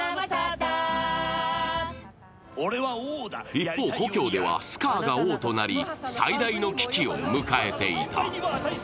一方、故郷ではスカーが王となり、最大の危機を迎えていた。